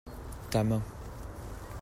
Ta main.